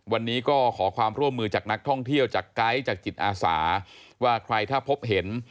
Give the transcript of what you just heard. วันนี้ก็ขอความร่วมมือจากนักท่องเที่ยวจากไกด์จากจิตอาสาว่าใครถ้าพบเห็น